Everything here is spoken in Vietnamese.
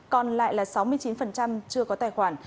còn lại là sáu mươi chín chưa có tài khoản